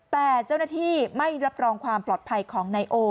แต่เจ้าหน้าที่ไม่รับรองความปลอดภัยของนายโอ